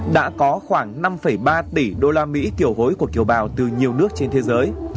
đã có khoảng năm ba tỷ đô la mỹ kiều gối của kiều bào từ nhiều nước trên thế giới